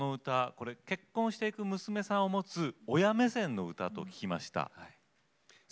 結婚していく娘さんを持つ親目線の歌だと聞きました。